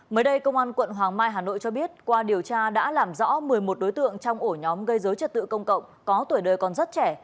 mới đây công an quận hoàng mai hà nội cho biết qua điều tra đã làm rõ một mươi một đối tượng trong ổ nhóm gây dối trật tự công cộng có tuổi đời còn rất trẻ